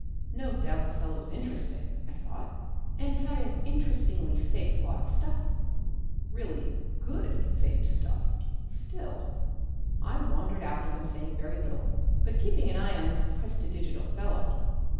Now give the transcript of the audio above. No doubt the fellow was interesting, I thought, and had an interestingly faked lot of stuff, really GOOD faked stuff, still I wandered after them, saying very little, but keeping an eye on this prestidigital fellow.